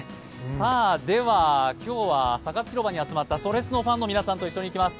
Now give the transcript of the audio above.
今日はサカス広場に集まった「それスノ」ファンの皆さんと一緒にいきます。